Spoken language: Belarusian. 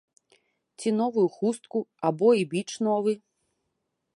Ці новую хустку, або і біч новы!